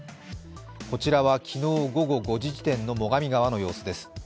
こちらは昨日午後５時時点の最上川の様子です。